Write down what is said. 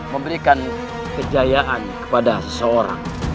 memberikan kejayaan kepada seseorang